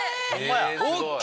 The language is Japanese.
ＯＫ！